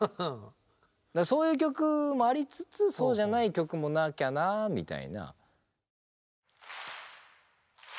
だからそういう曲もありつつそうじゃない曲もなきゃなあみたいな。